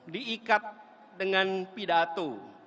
diikat dengan pidato